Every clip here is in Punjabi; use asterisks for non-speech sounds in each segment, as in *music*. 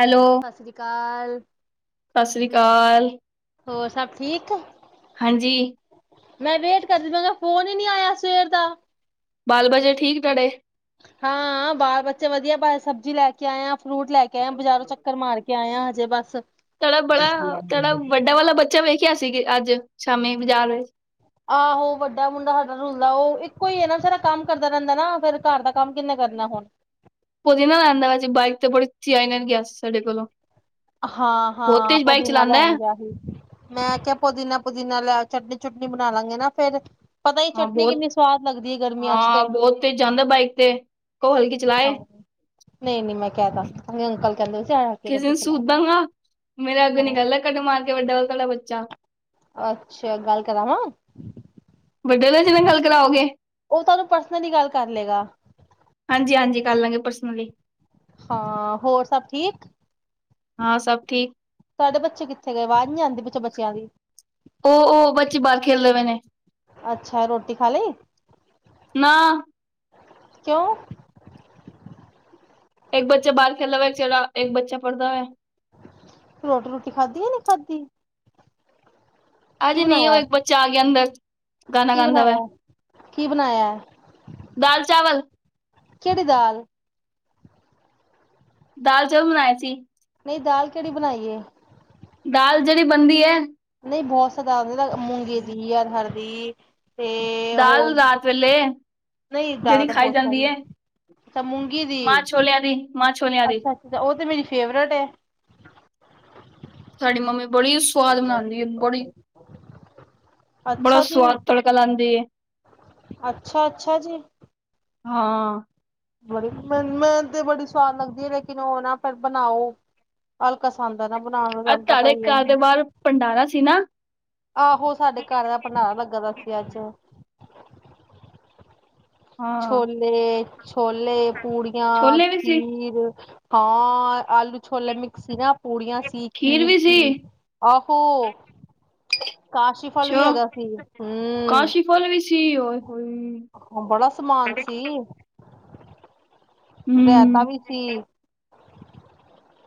ਹੈਲੋ। ਸਾਸ੍ਰੀਕਾਲ। ਸਾਸ੍ਰੀ ਕਾਲ। ਹੋਰ ਸਭ ਠੀਕ? ਹਾਂਜੀ। ਮੈਂ ਵੇਟ ਕਰਦੀ ਪੀਆਂ ਮੈਂ ਕਾ ਫੋਨ ਈ ਨੀ ਆਇਆ ਸਵੇਰ ਦਾ। ਬਾਲ ਬੱਚੇ ਠੀਕ ਤੁਆਡੇ? ਹਾਂ ਬਾਲ ਬੱਚੇ ਵਧੀਆ ਪਾਏ ਸਬਜ਼ੀ ਲੈ ਕੇ ਆਏ ਆਂ, ਫਰੂਟ ਲੈ ਕੇ ਕੇ ਆਏ ਆਂ, ਬਜਾਰੋਂ ਚੱਕਰ ਮਾਰ ਕੇ ਆਏ ਆਂ ਹਜੇ ਬਸ। *unintelligible* ਡ ਵਾਲਾ ਬੱਚ ਚਾ ਵੇਖਿਆ ਸੀ ਅੱਜ ਸ਼ਾਮੀ ਬਾਜ਼ਾਰ ਵਿੱਚ। ਆਹੋ ਵੱਡਾ ਮੁੰਡਾ ਸਾਡਾ ਰੁਲਦਾ ਓ ਇੱਕੋ ਈ ਏ ਨਾ, ਸਾਰਾ ਕੰਮ ਕਰਦਾ ਰੈਂਦਾ ਨਾ ਫੇਰ ਘਰ ਦਾ ਕੰਮ ਕਿੰਨੇ ਕਰਨਾ ਹੁਣ। ਪੁਦੀਨਾ ਲੈਂਦਾ ਪਿਆ ਸੀ, ਬਾਈਕ ਤੇ ਬੜੀ *unintelligible* ਤ ਨਾਲ ਗਿਆ ਸੀ ਸਾਡੇ ਕੋਲੋ। ਹਾਂ, ਹਾਂ ਪੋਦਿਨਾ ਹੈ ਲੈਣ ਗਿਆ ਹੀ। ਮੈਂ ਕਿਆ ਪੁਦੀਨਾ-ਪੁਦੀਨਾ ਲੈ ਚਟਨੀ-ਚੁਟਨੀ ਬਣਾ ਲਾਂਗੇ ਨਾ ਫੇਰ। ਹੀ ਹਾਂ ਚਟਨੀ ਬੌਤ, ਕਿੰਨੀ ਸਵਾਦ ਲੱਗਦੀ ਹੈ ਗਰਮੀਆਂ ਚ ਹਾਂ ਤੇ। ਬੌਤ ਤੇਜ ਜਾਂਦਾ ਬਾਈਕ ਤੇ ਕੋ ਹਲਕੀ ਚਲਾਏ। ਨਈ-ਨਈ ਮੈਂ ਕੈ ਦਾਂਗੀ, ਹੋਣੇ ਅੰਕਲ ਕੈਂਦੇ ਪੇ ਸੀ ਆ ਕੇ ਕਿਸੇ ਗੱਡੀ ਦਿਨ ਚਲਾ। ਸੂਤ ਦਾਂਗਾ। ਮੇਰੇ ਅੱਗੋਂ ਹਾਂ ਨਿਕਲਦੈ ਕੱਟ ਮਾਰਕੇ ਵੱਡਾ ਵਾਲਾ ਤੁਆਡਾ ਬੱਚਾ। ਅੱਛਾ ਗੱਲ ਕਰਾਵਾਂ ਵੱਡੇ ਨਾਲ ਜਿਵੇਂ ਗੱਲ ਕਰਾਓਗੇ। ਓ ਤੁਹਾਨੂੰ ਪਰਸਨਲੀ ਗੱਲ ਕਰ ਲੇਗਾ। ਹਾਂਜੀ-ਹਾਂਜੀ ਕਰ ਲਾਂਗੇ ਪਰਸਨਲੀ। ਹਾਂ, ਹੋਰ ਸਭ ਠੀਕ? ਹਾਂ ਸਭ ਠੀਕ। ਤੁਆਡੇ ਬੱਚੇ ਕਿੱਥੇ ਗਏ, ਆਵਾਜ਼ ਨੀ ਆਂਦੀ ਪਿੱਛੇ ਬੱਚਿਆਂ ਦੀ? ਓ-ਓ ਬੱਚੇ ਬਾਰ ਖੇਲਦੇ ਪਏ ਨੇ। ਅੱਛਾ ਰੋਟੀ ਖਾ ਲਈ ਨਾ। ਕਿਉਂ? ਏਕ ਬੱਚਾ ਬਾਰ ਖੇਲਦਾ ਪਿਆ, ਏਕ ਚਲਾ-ਏਕ ਬੱਚਾ ਪੜ੍ਹਦਾ ਪਿਆ। ਰੋਟੀ-ਰੂਟੀ ਖਾਧੀ ਏ ਨੀਂ ਖਾਧੀ? ਕੀ ਅਜੇ ਨੀਂ, ਓ ਬਣਾਇਆ ਇੱਕ ਬੱਚਾ ਆ ਗਿਆ ਅੰਦਰ, ਗਾਣਾ ਗਾਂਦਾ ਪੈ। ਐ। ਦਾਲ-ਚਾਵਲ! ਕੇੜੀ ਦਾਲ? ਦਾਲ-ਚਾਵਲ ਬਣਾਏ ਸੀ। ਨਈ ਦਾਲ ਕੇੜੀ ਬਣਾਈ ਏ? ਦਾਲ ਜੇੜੀ ਬਣਦੀ ਐ। ਨਈਂ ਬਹੋਤ ਸ ਦਾਲ ਜਿੱਦਾਂ ਮੂੰਗੀ ਦੀ, ਅਰਹਰ ਦੀ। ਤੇ ਦਾਲ ਓਹ ਰਾਤ ਵੇਲੇ ਨਈਂ ਜ਼ਾਦਾ ਜਿਹੜੀ ਤਾਂ ਖਾਈ ਬੋਤ ਜਾਂਦੀ ਸਾਰੀਆਂ। ਹੈ ਅੱਛਾ ਮੂੰਗੀ ਦੀ ਮਾਂ ਛੋਲਿਆਂ ਦੀ ਮਾਂ ਛੋਲਿਆਂ ਦੀ ਅੱਛਾ-ਅੱਛਾ ਓ ਤੇ ਮੇਰੀ ਫੇਵਰੇਟ ਐ। ਸਾਡੀ ਮੰਮੀ ਬੜੀ ਸਵਾਦ ਬਨਾਦੀ ਐ ਬੜੀ ਬੜਾ ਅੱਛਾ ਜੀ ਸਵਾਦ ਤੜਕਾ ਲਾਂਦੀ ਐ। ਅੱਛਾ ਅੱਛਾ ਜੀ ਹਾਂ। ਬੜੀ ਮ ਮੈ ਤੇ ਬੜੀ ਸਵਾਦ ਲੱਗਦੀ ਐ ਲੇਕਿਨ ਓ ਨਾ ਫਿਰ ਬਨਾਓ। ਅਲਕਾਸੰਦ ਆ ਨਾ ਬਨਾਨ ਦਾ ਅੱਜ ਤਾਨੂੰ ਪਤਾ ਤੁਹਾਡੇ ਈ ਐ। ਘਰ ਦੇ ਬਾਹਰ ਭੰਡਾਰਾ ਸੀ ਨਾ ਆਹੋ ਸਾਡੇ ਘਰ ਦਾ ਭੰਡਾਰਾ ਲੱਗ ਦਾ ਸੀ ਅੱਜ। ਹਾਂ ਛੋਲੇ, ਛੋਲੇ-ਪੂੜੀਆਂ, ਛੋਲੇ ਵੀ ਸੀ ਖੀਰ। ਹਾਂ ਆਲੂ ਛੋਲੇ ਮਿਕਸ ਸੀ ਨਾ। ਪੂੜੀਆਂ ਸੀ, ਖੀਰ ਸੀ, ਆਹੋ। ਕਾਸ਼ੀ ਫਲ ਵੀ ਅੱਛਾ ਹੈਗਾ ਸੀ ਹੂੰ। ਕਾਸ਼ੀ ਫਲ ਵੀ ਸੀ ਓਏ ਹੋਏ। ਓ ਬੜਾ ਸਮਾਨ ਸੀ। ਰੈਤਾਂ ਹੂੰ ਵੀ ਸੀ।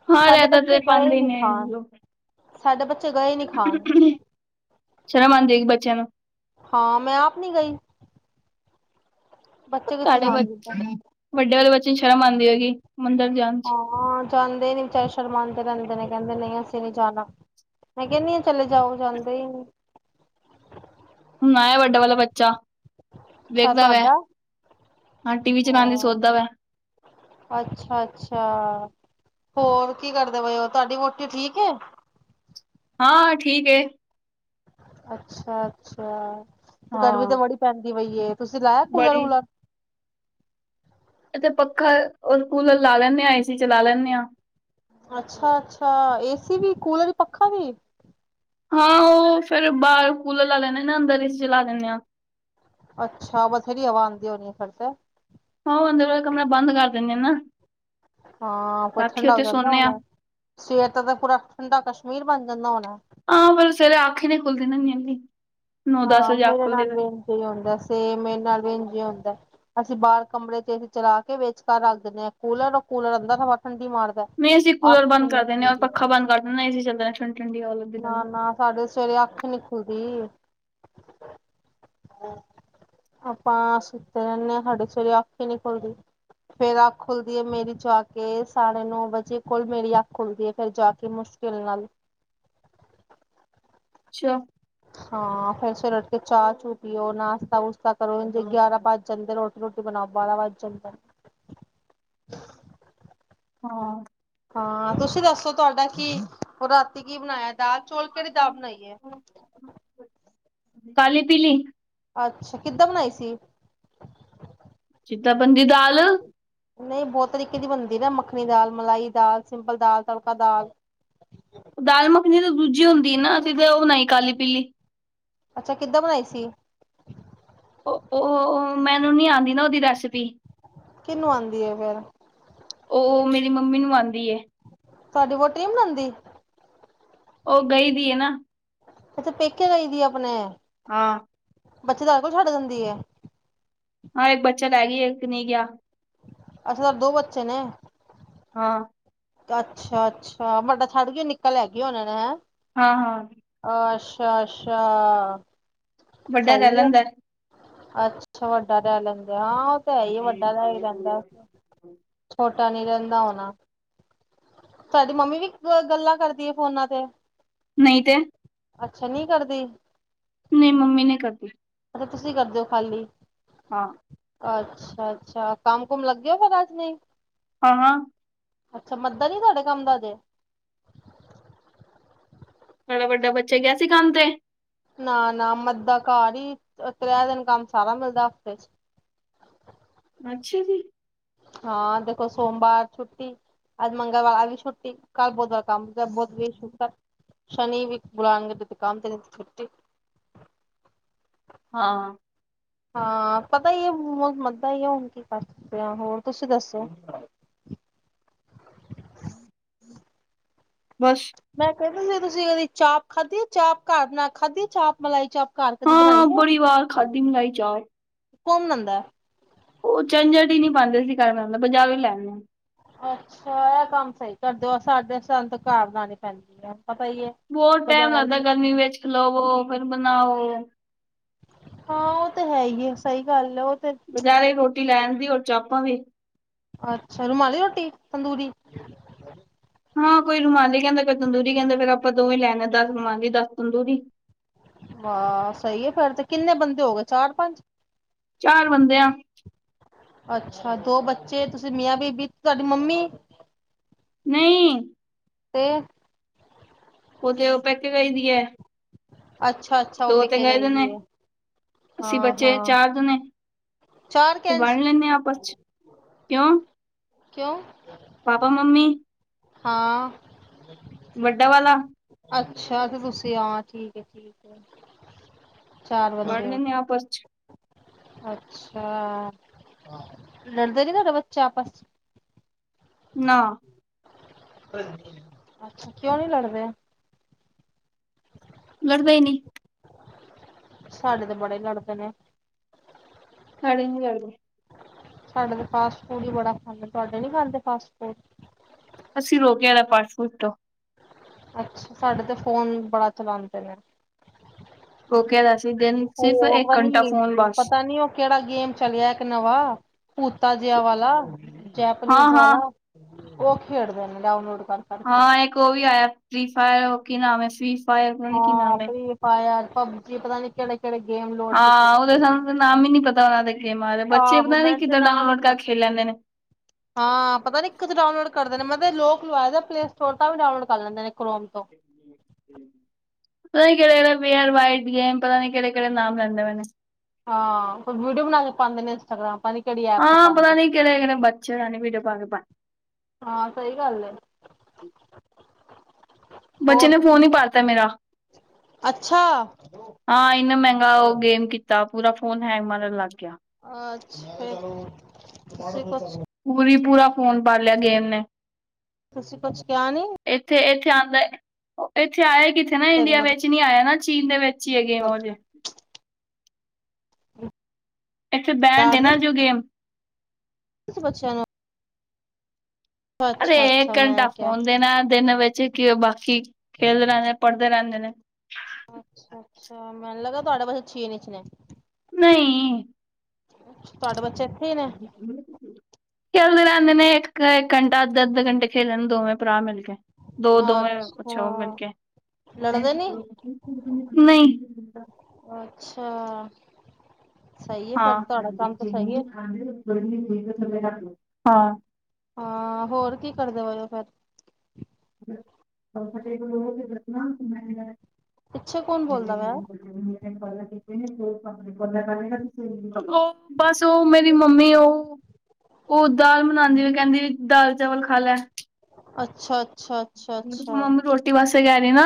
ਹਾਂ ਸਾਡੇ ਰੈਤਾ ਬੱਚੇ ਤੇ ਗਏ ਪਾਂਦੇ ਈ ਨੀ ਨੇ ਖਾਣ ਲੋਕ। ਸਾਡੇ ਬੱਚੇ ਗਏ ਨੀ ਖਾਣ ਸ਼ਰਮ ਆਂਦੀ ਹੈਗੀ ਬੱਚੇਆਂ ਨੂੰ। ਹਾਂ ਮੈਂ ਆਪ ਨੀ ਗਈ। ਬੱਚੇ ਕਿੱਥੇ ਤੁਆਡੇ ਜਾਣਗੇ ਬੱਚੇ ਵੱਡੇ ਵਾਲੇ ਬੱਚੇ ਨੂੰ ਸ਼ਰਮ ਆਂਦੀ ਹੋਏਗੀ ਮੰਦਿਰ ਜਾਨ ਹਾਂ ਜਾਂਦੇ ਨੀ ਵਿਚਾਰੇ ਸ਼ਰਮਾਂਦੇ ਰੈਂਦੇ ਨੇ ਕੈਂਦੇ ਨਈਂ ਅਸੀਂ ਨੀ ਜਾਨਾ। ਮੈਂ ਕੈਨੀ ਆਂ ਚਲੇ ਜਾਓ ਜਾਂਦੇ ਈ ਨੀ। ਹੁਨ ਆਏਆ ਵੱਡੇ ਵਾਲਾ ਬੱਚਾ। ਅੱਛਾ ਵੇਖਦਾ ਵੈ ਤੁਹਾਡਾ ਹਾਂ ਟੀ ਵੀ ਚਲਾਨ ਦੀ ਸੋਚਦਾ ਵੈ। ਅੱਛਾ-ਅੱਛਾ ਹੋਰ ਕੀ ਕਰਦੇ ਪਏ ਓ ਤੁਆਡੀ ਵੋਟੀ ਠੀਕ ਐ? ਹਾਂ ਠੀਕ ਏ। ਅੱਛਾ-ਅੱਛਾ ਤੇ ਗਰਮੀ ਤੇ ਹਾਂ ਬੜੀ ਪੈਂਦੀ ਪਈਏ ਤੁਸੀਂ ਲਾਇਆ ਬੜੀ ਕੂਲਰ-ਵੂਲਰ। ਅਸੀਂ ਤੇ ਪੱਖਾ ਔਰ ਕੂਲਰ ਲਾ ਲੈਂਨੇ ਆ ਏਸੀ ਚਲਾ ਲੈਂਨੇ ਆਂ। ਅੱਛਾ-ਅੱਛਾ ਏਸੀ ਵੀ ਕੂਲਰ-ਪੱਖਾ ਵੀ। ਹਾਂ ਓ ਫੇਰ ਬਾਰ ਕੂਲਰ ਲਾ ਲੈਂਨੇ ਆ ਨਾ ਅੰਦਰ ਏਸੀ ਚਲਾ ਲੈਨੇ ਆਂ। ਅੱਛਾ ਬਥੇਰੀ ਹਵਾ ਆਂਦੀ ਹੋਣੀ ਏ ਫੇਰ ਤੇ। ਹਾਂ ਓ ਅੰਦਰ ਫੇਰ ਕਮਰਾ ਬੰਦ ਕਰ ਦੇਨੇ ਆ ਨਾ। ਹਾਂ ਕੋਈ ਰਾਤੀ ਠੰਡਾ ਹੋ ਉੱਥੇ ਜਾਂਦਾ ਸੋਨੇ ਹੋਨੈ ਆ ਸਵੇਰ ਤੱ ਤਾਂ ਪੂਰਾ ਠੰਡਾ ਕਸ਼ਮੀਰ ਬਨ ਜਾਂਦਾ ਹੋਨੈ। ਹਾਂ ਫੇਰ ਸਵੇਰੇ ਅੱਖ ਈ ਨੀ ਖੁੱਲਦੀ ਨਾ ਏਨੀ ਜਲਦੀ ਨੌ ਦਸ ਵਜੇ ਅੱਖ ਖੁੱਲਦੀ ਐ ਫੇਰ ਏਈ ਹੁੰਦੈ ਸੇਮ ਮੇਰੇ ਨਾਲ ਵੀ ਇੰਜ ਈ ਹੁੰਦੈ। ਅਸੀਂ ਬਾਰ ਕਮਰੇ ਚ ਏ ਸੀ ਚਲਾ ਕੇ ਵੇਚਕਾਰ ਰੱਖ ਦਿੰਨੇ ਆ ਕੂਲਰ ਓ ਕੂਲਰ ਅੰਦਰ ਹਵਾ ਠੰਡੀ ਮਾਰਦੈ। ਨਈਂ ਅਸੀਂ ਕੂਲਰ ਬੰਦ ਕਰ ਦੇਨੇ ਆ ਔਰ ਪੱਖਾ ਬੰਦ ਕਰ ਦੇਨਾ ਏਸੀਂ ਚੱਲਦਾ ਰੈਂਦਾ ਠੰਡੀ-ਠੰਡੀ ਹਵਾ ਲਗਦੀ ਨਾ-ਨਾ ਸਾਡੇ ਤੇ ਸਵੇਰੇ ਅੱਖ ਈ ਨੀ ਖੁਲਦੀ। ਆਪਾਂ ਸੁਤੇ ਰੈਨੇ ਆਂ ਸਾਡੇ ਸਵੇਰੇ ਅੱਖ ਈ ਨੀ ਖੁਲਦੀ। ਫੇਰ ਅੱਖ ਖੁੱਲਦੀਏ ਮੇਰੀ ਜਾ ਕੇ ਸਾਢੇ ਨੌ ਵਜੇ ਕੋਲ ਮੇਰੀ ਅੱਖ ਖੁੱਲਦੀਏ ਫੇਰ ਜਾ ਕੇ ਮੁਸ਼ ਕਿਲ ਨਾਲ ਅੱਛਾ। ਹਾਂ ਫੇਰ ਸਵੇਰੇ ਉੱਠ ਕੇ ਚਾ-ਚੂ ਪੀਓ ਨਾਸ਼ਤਾ-ਵੂਸ਼ਤਾ ਕਰੋ ਇੰਜ ਗਿਆਰਾਂ ਬੱਜ ਜਾਂਦੇ ਨੇ ਉੱ ਰੋਟੀ ਬਨਾਓ ਬਾਰਾਂ ਵੱਜ ਜਾਂਦੈ। ਹਾਂ। ਹਾਂ ਤੁਸੀਂ ਦੱਸੋ ਤੁਆਡਾ ਕੀ ਓ ਰਾਤੀ ਕੀ ਬਨਾਯੇਆ? ਦਾਲ ਚੋਲ, ਕੇੜੀ ਦਾਲ ਬਣਾਈ ਏ? ਕਾਲੀ ਪੀਲੀ ਅੱਛਾ। ਕਿੱਦਾਂ ਬਨਾਈ ਸੀ? ਜਿੱਦਾਂ ਬਨਦੀ ਦਾਲ। ਨਈ ਬੋਤ ਤਰੀਕੇ ਦੀ ਬਨਦੀ ਨਾ ਮੱਖਣੀ ਦਾਲ, ਮਲਾਈ ਦਾਲ, ਸਿੰਪਲ ਦਾਲ, ਤੜਕਾ ਦਾਲ। ਦਾਲ ਮੱਖਨੀ ਤੇ ਦੂਜੀ ਹੁੰਦੀ ਏ ਨਾ ਅਸੀ ਫੇਰ ਓ ਬਨਾਈ ਕਾਲੀ-ਪੀਲੀ। ਅੱਛਾ, ਕਿੱਦਾਂ ਬਨਾਈ ਸੀ? ਓ, ਓ, ਓ ਮੈਨੂੰ ਨੀ ਆਂਦੀ ਨਾ ਓਦੀ ਰੈਸਿਪੀ। ਕਿੰਨੂੰ ਆਂਦੀ ਏ ਫੇਰ? ਓ ਓ ਮੇਰੀ ਮੰਮੀ ਨੂੰ ਆਂਦੀ ਏ। ਤੁਆਡੀ ਵੋਟੀ ਨੀ ਬਨਾਂਦੀ? ਓ ਗਈ ਦੀ ਏ ਨਾ। ਓ ਤੇ ਪੇਕੇ ਗਈ ਦੀ ਏ ਆਪਨੇ। ਹਾਂ। ਬੱਚੇ ਤੁਆਡੇ ਕੋਲ ਛੋੜ ਜਾਂਦੀ ਏ? ਹਾਂ, ਏੱਕ ਬੱਚਾ ਲੈ ਗੀ ਏ, ਏੱਕ ਨਈ ਗਿਆ। ਅੱਛਾ ਦੋ ਬੱਚੇ ਨੇ। ਹਾਂ। ਤੇ ਅੱਛਾ-ਅੱਛਾ ਮਡਾ ਛੱਡ ਗੀ ਏ, ਨਿੱਕਾ ਲੈ ਗੀ ਐ ਓਨਾਂ ਨੇ, ਹੈਂ। ਹਾਂ-ਹਾਂ। ਅੱਸ਼ਾ-ਅੱਸ਼ਾ। ਵੱਡਾ ਰੈ ਲੈਂਦੈ। ਅੱਛਾ ਵੱਡਾ ਰੈ ਲੈਂਦੈ। ਹਾਂ ਓ ਤੇ ਹੈ ਈ ਏ ਵੱਡਾ ਰੈ ਜਾਂਦੈ। ਛੋਟਾ ਨੀ ਰੈਂਦਾ ਹੋਨਾ? ਤੁਆਡੀ ਮੰਮੀ ਵੀ ਅ ਗੱਲਾਂ ਕਰਦੀ ਏ ਫੋਨਾਂ ਤੇ? ਨਈਂ ਤੇ। ਅੱਛਾ ਨੀ ਕਰਦੀ। ਨਈ ਮੰਮੀ ਨੀ ਕਰਦੀ। ਅੱਛਾ ਤੁਸੀਂ ਕਰਦੇ ਓ ਖਾਲੀ। ਹਾਂ। ਅੱਛਾ-ਅੱਛਾ। ਕੰਮ-ਕੁਮ ਲੱਗੇ ਓ ਫੇਰ ਅੱਜ ਨਈ? ਹਾਂ-ਹਾਂ। ਅੱਛਾ ਮੱਦਾ ਨੀ ਏ ਤੁਆਡੇ ਕੰਮ ਦਾ ਅਜੇ? ਤੁਆਡਾ ਵੱਡਾ ਬੱਚਾ ਗਿਆ ਸੀ ਕੰਮ ਤੇ? ਨਾ-ਨਾ ਮੱਦਾ ਘਾਰ ਈ ਅ ਤ੍ਰੈ ਦਿਨ ਕੰਮ ਸਾਰਾ ਮਿਲਦੈ ਹਫ਼ਤੇ '। ਅੱਛਾ ਜੀ! ਹਾਂ, ਦੇਖੋ ਸੋਮਵਾਰ ਛੁੱਟੀ ਅੱਜ ਮੰਗਲਵਾਰ ਅੱਜ ਵੀ ਛੁੱਟੀ। ਕੱਲ ਬੁੱਧਵਾਰ ਕੰਮ ਤੇ ਬੁੱਧ, ਵੀਰ, ਸ਼ੁੱਕਰ ਸ਼ਨੀ ਵਿਚ ਬੁਲਾਨਗੇ ਤੇ ਤੇ ਕੰਮ ਤੇ ਨਈ ਤੇ ਛੁੱਟੀ। ਹਾਂ। ਹਾਂ ਪਤਾ ਈ ਏ, ਬੋਤ ਮੱਦਾ ਈ ਏ। ਹੁਨ ਕੀ ਕਰ ਸਕਦੇ ਆਂ। ਹੋਰ ਤੁਸੀਂ ਦੱਸੋ? ਬਸ। ਮੈਂ ਕੈਂਦੀ ਸੀ ਏਦੀ ਤੁਸੀਂ ਏਦੀ ਚਾਪ ਖਾਧੀ ਏ ਚਾਪ, ਘਾਰ ਬਨਾ ਕ ਖਾਧੀ ਏ ਚਾਪ, ਮਲਾਈ ਚਾਪ? ਘਰ ਕਦੀ ਹਾਂ, ਬਣਾਈ ਬੜੀ ਵਾਰ ਖਾਧੀ ਮਲਾਈ ਚਾਪ। ਕੋਨ ਬਨਾਂਦੈ? ਓ ਝੰਜਟ ਈ ਨੀ ਪਾਂਦੇ ਅਸੀ ਘਰ ਬਨਾਨ ਦਾ। ਬਾਜਾਰੋਂ ਏ ਲੈਨੇ ਆਂ। ਅੱਛਾ, ਇਹ ਕੰਮ ਸਹੀ ਕਰਦੇ ਹੋ, ਸਾਡੇ ਸਾਨੂੰ ਤਾਂ ਘਾਰ ਲਾਣੀ ਪੈਂਦੀ ਹੈ ਪਤਾ ਏ ਬਹੁਤ ਟਾਈਮ ਲੱਗਦਾ, ਗਰਮੀ ਵਿੱਚ ਖਲਾਵੋ, ਫਿਰ ਬਣਾਓ ਹਾਂ, ਉਹ ਤੇ ਹੈ ਹੀ ਏ, ਸਹੀ ਗੱਲ ਏ ਉਹ ਤੇ ਬਜ਼ਾਰੋ ਈ ਰੋਟੀ ਲੈ ਆਦੀ, ਔਰ ਚਾਪਾਂ ਵੀ ਅੱਛਾ, ਰੁਮਾਲੀ ਰੋਟੀ, ਤੰਦੂਰੀ, ਹਾਂ ਕੋਈ ਰੁਮਾਲੀ ਕਹਿੰਦਾ, ਕੋਈ ਤੰਦੂਰੀ ਕਹਿੰਦਾ, ਫੇਰ ਆਪਾਂ ਦੋਵੇਂ ਲੈ ਆਣੇ, ਦਸ ਰੁਮਾਲੀ ਦਸ ਤੰਦੂਰੀ ਹਾਂ ਸਹੀ ਏ ਫੇਰ, ਤੇ ਕਿੰਨੇ ਬੰਦੇ ਹੋ ਗਏ ਚਾਰ -ਪੰਜ ਚਾਰ, ਬੰਦੇ ਆ ਅੱਛਾ, ਦੋ ਬੱਚੇ, ਤੁਸੀਂ ਮੀਆਂ ਬੀਬੀ, ਤੁਹਾਡੀ ਮੰਮੀ, ਨਹੀਂ ਅਤੇ, ਉਹ ਤੇ ਉਹ, ਪੈਕੇ ਗਈ ਦੀ ਐ ਅੱਛਾ -ਅੱਛਾ ਉਹ ਪੇਕੇ ਗਈ ਦੇ ਨੇ ਦੀ ਐ ਅਸੀਂ ਬੱਚੇ ਚਾਰ ਜਣੇ ਚਾਰ ਤੇ, ਕੈਂਜ ਵੰਡ ਲੈਂਣੇ ਹਾਂ ਆਪਸ ਚ ਕਿਉਂ? ਕਿਉਂ, ਪਾਪਾ -ਮੰਮੀ, ਹਾਂ, ਵੱਡਾ ਵਾਲਾ ਅੱਛਾ, ਤੇ ਤੁਸੀਂ ਹਾਂ ਠੀਕ ਹੈ ਠੀਕ ਹੈ ਚਾਰ ਵੰਡ ਬੰਦੇ ਹੋ ਲੈਣੇ ਨ ਆਪਸ ਚ, ਅੱਛਾ, ਲੜਦੇ ਨਈ ਤੁਹਾਡੇ ਬੱਚੇ ਆਪਸ ਚ ਨਾ। ਅੱਛਾ, ਕਿਉਂ ਨਹੀਂ ਲੜਦੇ? ਲੜਦੇ ਈ ਨਈ। ਸਾਡੇ ਤੇ, ਬੜੇ ਲੜਦੇ ਨੇ ਸਾਡੇ ਨਈ ਲੜਦੇ। ਸਾਡੇ ਤੇ, ਫਾਸਟ -ਫੂਡ ਹੀ ਬੜਾ ਖਾਂਦੇ, ਤੁਹਾਡੇ ਨਈ ਖਾਂਦੇ ਫਾਸਟ- ਫੂਡ ਅਸੀਂ ਰੋਕਿਆ, ਦਾ ਫਾਸਟ- ਫੂਸਟ ਤੋਂ ਅੱਛਾ, ਸਾਡੇ ਤੇ ਫੋਨ, ਬੜਾ ਚਲਾਦੇ ਨੇ, ਕੋਲਡ ਵੈਸੇ ਨਈ ਦੇਣੀ ਉਹ ਪ ਨੀ ਪਤਾ ਨਈ, ਉਹ ਕਿਹੜਾ ਗੇਮ ਚਲਿਆ ਇੱਕ ਨਵਾਂ ਭੂਤਾ ਜਿਆ ਵਾਲਾ, ਹਾਂ ਜੈਪਨੀਜ਼ ਹਾਂ ਵਾਲਾ, ਉਹ ਖੇਡਦੇ ਨੇ ਡਾਊਨਲੋਡ ਕਰਕੇ ਹਾਂ ਇੱਕ ਉਹ ਵੀ ਆਇਆ, ਫੀ ਫਾਇਰ ਕੀ ਨਾਮ ਏ ਸੀ ਫਾਇਰ ਕੀ ਹਾਂ ਨਾਮ ਏ ਫ੍ਰੀ ਫਾਇਰ ਪਬਜੀ, ਪਤਾ ਨੀ ਕਿਹੜੇ ਕਿਹੜੇ ਗੇਮ ਲੋਡ ਕੀਤੇ, ਹਾਂ ਉਹਦਾ ਸਾਨੂੰ ਨਾਮ ਹੀ ਨੀ ਪਤਾ ਉਹਨਾਂ ਦੇ ਗੇਮਾਂ ਦੇ ਬੱਚੇ ਆਹੋ ਪਤਾ ਨੀ ਮੈਨੂੰ ਤੇ ਕਿੱਦਾਂ ਨਾਮ ਨਈ ਡਾਊਨਲੋਡ ਪਤਾ ਕਰਕੇ ਖੇਲ ਲੈਂਦੇ ਨੇ *inaudible* ਹਾਂ ਪਤਾ ਨਈ ਇੱਕ ਤਾਂ ਡਾਊਨਲੋਡ ਕਰਦੇ ਨੇ, ਮੈ ਤੇ ਲੋਕ ਲਵਾਇਆ ਪਲੇ ਸਟੋਰ, ਤਾਂਵੀ ਡਾਊਨਲੋਡ ਕਰ ਲੈਂਦੇ ਨੇ ਕ੍ਰੋਮ ਤੋਂ ਪਤਾ ਨਈ ਕਿਹੜੇ -ਕਿਹੜੇ ਵੇਅਰ ਬਾਏ ਇੰਡੀਆ ਪਤਾ ਨਈ ਕਿਹੜੇ -ਕਿਹੜੇ ਨਾਮ ਲੈਂਦੇ ਪਏ ਨੇ ਹਾਂ ਫੇਰ ਵੀਡੀਓ ਬਣਾ ਕੇ ਪਾਦੇ, ਇਨਸਟ ਗ੍ਰਾਮ ਪਤਾ ਨਈ ਹਾਂ ਪਤਾਨਈ ਕਿਹੜੇ- ਕਿਹੜੇ ਬੱਚੇ, ਐ ਵੀਡੀਓ ਬਣਾ ਕੇ ਪਾਦੇ ਹਾਂ, ਸਹੀ ਗੱਲ ਏ ਬੱਚੇ ਹੋਰ ਨੇ ਫੋਨ ਹੀ ਤੁਸੀਂ, ਪਾੜਤਾ ਮੇਰਾ ਅੱਛਾ ਹਾਂ ਇੰਨਾ ਮਹਿੰਗਾ ਉਹ ਗੇਮ ਕੀਤਾ, ਪੂਰਾ ਫੋਨ ਹੈਂਗ ਮਾਰਨ, ਲੱਗ ਪਿਆ ਅੱਛਾ ਕਰ *inaudible* ਪੂਰੀ -ਪੂਰਾ ਫੋਨ ਪਾ ਲਿਆ, ਗੇਮ ਨੇ ਤੁਸੀਂ ਕੁਛ ਕਿਹਾ ਨੀ ਏਥੇ-ਏਥੇ ਆਂਦਾ ਏਥੇ ਆਇਆ ਕਿੱਥੇ ਨਾ ਫਿਰ ਇੰਡੀਆ ਮਤਲਬ ਵੇਚ ਨੀ ਆਇਆ ਨਾ ਚੀਨ ਦੇ ਵੇਚ ਚ ਗੇਮ ਉਦੇ। ਏਥੇ ਬੈਂਡ ਏ ਨਾ ਜੋ ਗੇਮ ਤੁਸੀ ਬੱਚਿਆਂ ਨ ਅਰੇ ਅੱਛਾ ਏਕ ਅੱਛਾ ਘੰਟਾ ਮੈਂ ਕਿਹਾ ਫੋਨ ਦੇਨਾ ਦਿਨ ਵਿੱਚ ਕੀ ਬਾਕੀ, ਖੇਲਦੇ ਰੈਂਦੇ ਨੇ ਪੜ੍ਹਦੇ ਰੈਂਦੇ ਨੇ। ਅੱਛਾ-ਅੱਛਾ ਮੈਨੂੰ ਲੱਗਾ ਤੁਹਾਡੇ ਬੱਚੇ ਚੀਨ ਇਚ ਨੇ। ਨਈ। ਤੁਹਾਡੇ ਬੱਚੇ ਹੀ ਨੇ ਹਾਂਜੀ ਖੇਲਦੇ ਰੈੰਦੇ ਨੇ ਏਕ-ਏਕ ਘੰਟਾ ਅੱਧੇ-ਅੱਧੇ ਘੰਟੇ ਖੇਲਣ ਦੋਵੇਂ ਭਰਾ ਮਿਲ ਕੇ। ਦੋ-ਦੋ ਅੱਛਾ ਛਾ ਮਿਲ ਕੇ। ਲੜਦੇ ਨੀ ਨਈ। ਅੱਛਾ। ਸਹੀ ਹੈ ਹਾਂ, ਫਿਰ ਹਾਂ। ਤੁਹਾਡਾ ਕੰਮ ਤਾਂ ਸਹੀ ਹੈ ਹਾਂ, ਹੋਰ ਕੀ ਕਰਦੇ ਪਏ ੳ ਫੇਰ? ੈਂ *inaudible* *inaudible* ਪਿੱਛੇ ਕੌਣ ਬੋਲਦਾ ਪਿਆ ਬਸ ਉ ਮੇਰੀ ਮੰਮੀ ਉ ਉ ਦਾਲ ਬਨਾਦੀ ਪਈ ਕੈਂਦੀ ਵੀ ਦਾਲ ਚਾਵਲ ਖਾ ਲੈ। ਅੱਛਾ। ਅੱਛਾ ਅੱਛਾ ਅੱਛਾ ਮੰਮੀ ਰੋਟੀ ਵਾਸੇ ਕੈ ਰਈ ਨਾ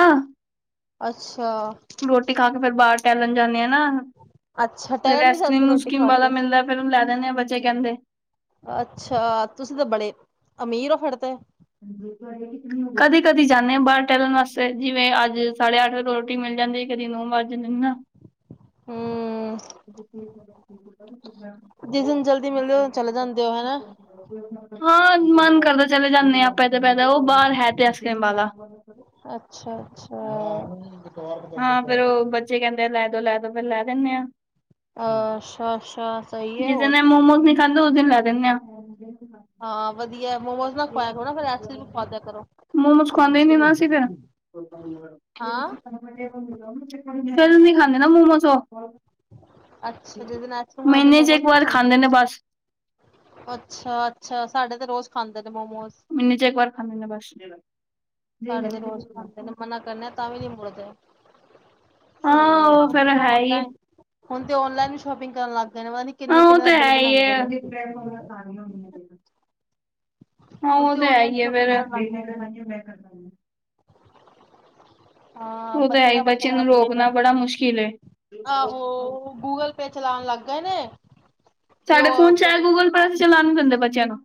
ਅੱਛਾ। ਰੋਟੀ ਖਾ ਕੇ ਫੇਰ ਬਾਰ ਟੈਲਨ ਜਾਂਨੇ ਆ ਨਾ, ਅੱਛਾ ਫੇਰ ਟਹਿਲਣ ਵੀ ਜਾਂਦੇ ਐਸਕ੍ਰੀਮ ਰੋਟੀ ਊਸਕ੍ਰੀਮ ਖਾ ਵਾਲਾ ਕੇ ਮਿਲਦਾ ਫੇਰ ਲੈ ਦਿੰਨੇ ਆ ਬੱਚੇ ਕੈਂਦੇ- ਅੱਛਾ ਤੁਸੀਂ ਤੇ ਬੜੇ ਅਮੀਰ ੳ ਫੇਰ ਤੇ। *unintelligible* ਕਦੀ-ਕਦੀ ਜਾਂਨੇ ਆਂ ਬਾਰ ਟੈਲਣ ਵਾਸਤੇ, ਜਿਵੇਂ ਅੱਜ ਸਾੜੇ ਅੱਠ ਵਜੇ ਰੋਟੀ ਮਿਲ ਜਾਂਦੀ ਕਦੀ ਨੋ ਵਾਜ- ਜਾਂਦੇ ਨੇ ਨਾ। ਹੂੰ ਜਿਸ ਦਿਨ ਜਲਦੀ ਮਿਲਦੇ ਹੋ ਚਲੇ ਜਾਂਦੇ ਹੋ ਹਨਾ ਹਾਂ, ਮਨ ਕਰਦਾ ਚਲੇ ਜਾਂਨੇ ਆਂ। ਦਾ ਉ ਬਾਰ ਹੈ ਤੇ ਐਸਕ੍ਰੀਮ ਵਾਲਾ। ਅੱਛਾ- ਅੱਛਾ। ਹਾਂ, ਫੇਰ ਉ ਬੱਚੇ ਕੈਂਦੇ ਆ ਲੈ ਦੋ ਲੈ ਦੋ ਫੇਰ ਲੈ ਦਿੰਨੇ ਆ। ਅੱਛਾ ਅੱਛਾ ਸਈ ਏ ਹੋਰ ਐਨੀ ੳਸ ਦੀਨ ਲੈ ਦਿਨੇ ਆਂ। *inaudible* ਹਾਂ, ਵਧੀਆ ਮੋਮੋਜ਼ ਨਾ ਖਵਾਇਆ ਕਰੋ ਨਾ ਫੇਰ ਐਸਕ੍ਰੀਮ ਈ ਖਵਾ ਦਿਆ ਕਰੋ। ਮੋਮੋਜ ਖਵਾਂਦੇ ਨੀ ਨਾ ਅਸੀਂ ਫੇਰ। ਹਾਂ ਫੇਰ ਨੀ ਖਾਂਦੇ ਨਾ ਮੋਮੋਸ ੳ। ਅੱਛਾ ਜਿਸ ਦਿਨ ਆਈਸਕ੍ਰੀਮ ਖਾਓ ਉਸ ਦਿਨ ਮਹੀਨੇ ਚ ਮੋਮੋਸ ਇੱਕ ਨਹੀਂ ਵਾਰ ਖਾਂਦੇ ਨੇ ਬਸ। ਅੱਛਾ-ਅੱਛਾ, ਸਾਡੇ ਤੇ ਰੋਜ਼ ਖਾਂਦੇ ਨੇ ਮੋਮੋਸ। ਮੀਨੇ ਚ ਇਕ ਵਾਰ ਖਾਂਦੇ ਨੇ ਬੱਸ। ਸਾਡੇ ਤੇ ਰੋਜ਼ ਖਾਂਦੇ ਨੇ ਮਨਾ ਕਰਨੇ ਆ ਤਾਂ ਵੀ ਨੀ ਮੁੜਦੇ। ਹਾਂ ਉ ਫੇਰ ਹੈ ਈ ਏ। ਹੁਨ ਤੇ ਔਨਲਾਈਨ ਵੀ ਸ਼ੋਪਿੰਗ ਕਰਨ ਲੱਗ ਗਏ ਨੇ ਪਤਾ ਨੀ ਹਾਂ ਉ ਕਿੰਨੇ-ਕਿੰਨੇ ਦਾ ਤਾਂ ਬਿੱਲ ਹੈ ਈ ਏ। ਬਣਾਂਦੇ ਨੇ ਹਾਂ ਹੁਣ ਓ ਤੇ ਹੈ ਔਨਲਾਈਨ ਈ ਹੈ ਸ਼ੋਪਿੰਗ ਕਰਨ ਲੱਗ ਗਏ ਨੇ ਫੇਰ। ਹਾਂ ਓ ਤੇ ਹੈ ਈ ਬੱਚਆ ਬਥੇਰਾ-ਬਥੇਰਾ ਨੂੰ ਬਿੱਲ ਰੋਕਨਾ ਬੜਾ ਮੁਸ਼ਕਿਲ ਏ। ਆਹੋ ਗੂਗਲ ਪੇ ਚਲਾਨ ਲੱਗ ਗਏ ਨੇ। ਤੇ ਸਾਡੇ ਫੋਨ ਚ ਐ ਉਹ ਗੂਗਲ ਪੇ ਪਰ ਅਸੀ ਚਲਾਨ ਨੀ ਦੇਂਦੇ ਬੱਚਿਆਂ ਨੂੰ।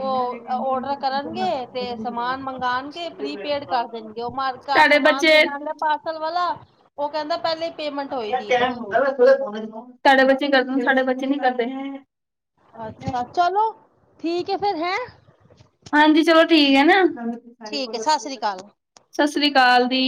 ਓ ਔਡਰ ਕਰਨਗੇ ਤੇ ਸਮਾਨ ਮੰਗਾਨਗੇ ਪ੍ਰੀਪੇਡ ਕਰ ਦੇਨਗੇ। ਓ ਮਾਰ ਘਰ ਸਾਡੇ ਸਮਾਨ ਬੱਚੇ ਦੇਨ ਆਂਦਾ ਤੁਹਾਡੇ ਪਾਰਸਲ ਵਾਲਾ ਓ ਕੇਂਦਾ ਪੇਲੇ ਈ ਪੇਮੈਂਟ ਹੋਈ ਦੀ ਏ ਦੱਸੋ। ਤਾਡੇ ਬੱਚੇ ਕਰਦੇ ਨੇ ਸਾਡੇ ਬੱਚੇ ਨੀ ਕਰਦੇ ਹੈ। ਅੱਛਾ ਚਲੋ ਠੀਕ ਏ ਫੇਰ ਹੈਂ। ਹਾਂਜੀ ਚਲੋ ਠੀਕ ਐ ਨਾ। ਠੀਕ ਹੈ, ਸਤਿ ਸ੍ਰੀ ਅਕਾਲ। ਸਤਿ ਸ੍ਰੀ ਅਕਾਲ ਦੀ।